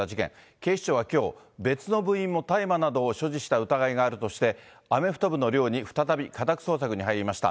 警視庁はきょう、別の部員も大麻などを所持した疑いがあるとして、アメフト部の寮に再び家宅捜索に入りました。